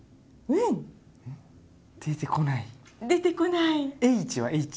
出てこない。